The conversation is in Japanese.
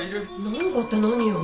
なんかって何よ